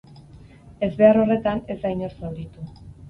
Ezbehar horretan, ez da inor zauritu.